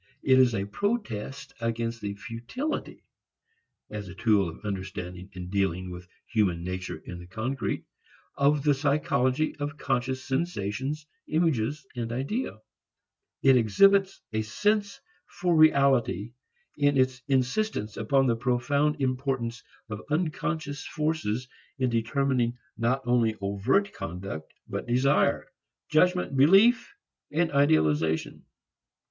It is a protest against the futility, as a tool of understanding and dealing with human nature in the concrete, of the psychology of conscious sensations, images and ideas. It exhibits a sense for reality in its insistence upon the profound importance of unconscious forces in determining not only overt conduct but desire, judgment, belief, idealization.